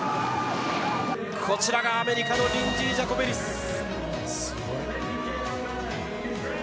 こちらがアメリカのリンジー・ジャコベリス。